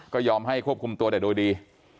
ก็ยอมให้ควบคุมตัวแต่โดยดี